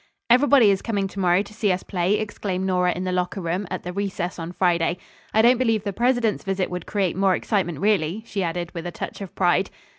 "Everybody is coming to morrow to see us play," exclaimed Nora in the locker room, at the recess on Friday. "I don't believe the President's visit would create more excitement, really," she added with a touch of pride.